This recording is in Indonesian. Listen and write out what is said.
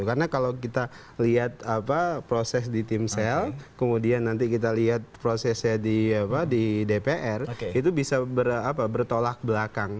karena kalau kita lihat proses di tim sel kemudian nanti kita lihat prosesnya di dpr itu bisa bertolak belakang